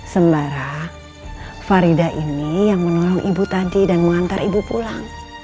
sembara farida ini yang menolong ibu tadi dan mengantar ibu pulang